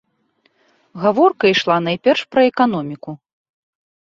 Гаворка ішла найперш пра эканоміку.